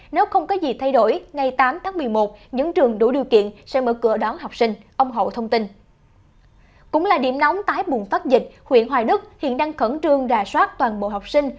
nóng tái buồn phát dịch huyện hoài đức hiện đang khẩn trương rà soát toàn bộ học sinh